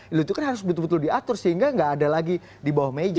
itu kan harus betul betul diatur sehingga nggak ada lagi di bawah meja